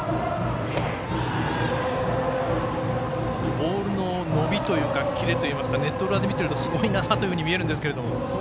ボールの伸びというかキレといいますかネット裏で見ているとすごいなと思うんですけども。